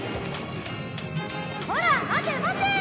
こら待て待て！